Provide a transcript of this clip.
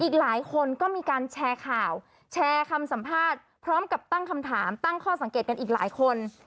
อีกหลายคนก็มีการแชร์ข่าวแชร์คำสัมภาษณ์พร้อมกับตั้งคำถามตั้งข้อสังเกตกันอีกหลายคน